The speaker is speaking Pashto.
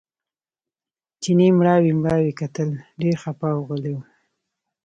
چیني مړاوي مړاوي کتل ډېر خپه او غلی و.